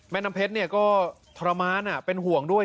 แม่น้ำเพชรเนี่ยก็ทรมานเป็นห่วงด้วย